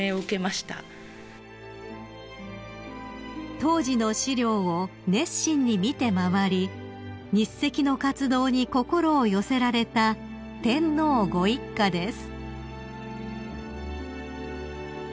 ［当時の資料を熱心に見て回り日赤の活動に心を寄せられた天皇ご一家です］